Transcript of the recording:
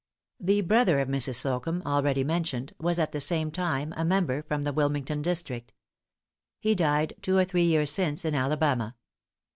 The brother of Mrs. Slocumb already mentioned, was at the same time a member from the Wilmington District. He died two or three years since in Alabama.